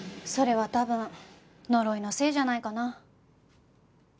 それは多分呪いのせいじゃないかな？